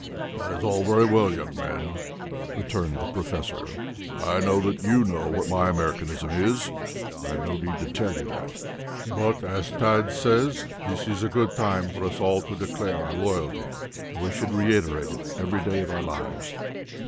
"That is all very well, young men," returned the professor. "I know that you know what my Americanism is. I have no need to tell you that, but, as Tad says, this is a good time for us all to declare our loyalty, and we should reiterate it every day of our lives."